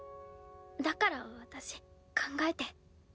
だから私考えて。